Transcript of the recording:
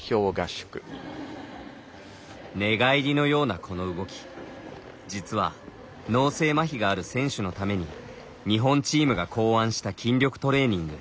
寝返りのようなこの動き実は脳性まひがある選手のために日本チームが考案した筋力トレーニング。